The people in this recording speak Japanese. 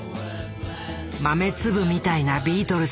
豆粒みたいなビートルズ。